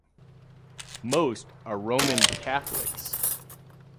Most are Roman Catholics.